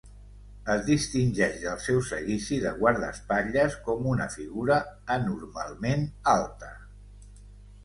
Es distingeix del seu seguici de guardaespatlles com una figura anormalment alta.